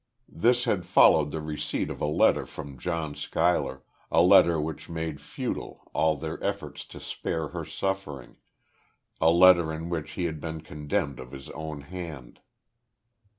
This had followed the receipt of a letter from John Schuyler a letter which made futile all their efforts to spare her suffering a letter in which he had been condemned of his own hand.